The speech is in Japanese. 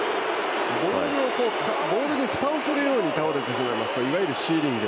ボールにふたをするように倒れてしまいますといわゆるシーリング。